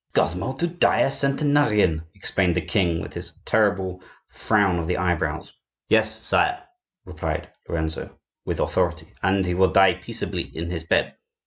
"Cosmo to die a centenarian!" exclaimed the king, with his terrible frown of the eyebrows. "Yes, sire," replied Lorenzo, with authority; "and he will die peaceably in his bed."